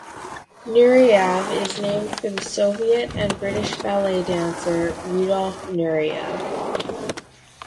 Nureyev is named for the Soviet and British ballet dancer Rudolf Nureyev.